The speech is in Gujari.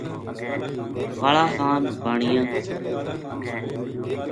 کالاخان بانیا